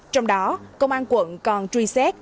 trong đó công an quận còn truy xét